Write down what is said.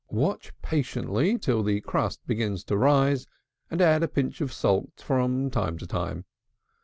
Watch patiently till the crust begins to rise, and add a pinch of salt from time to time.